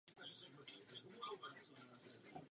Studoval na Oxfordské univerzitě.